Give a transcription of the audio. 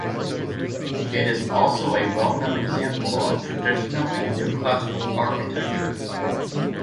It is also a well-known example of traditional and New Classical Architecture.